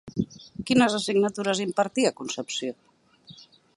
Quines assignatures impartia Concepció?